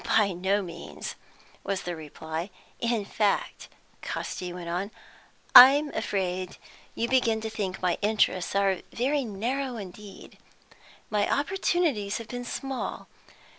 "By no means," was the reply. "In fact," Casti went on, "I'm afraid you begin to think my interests are very narrow indeed. My opportunities have been small.